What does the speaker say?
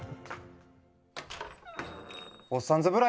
「おっさんずブラ」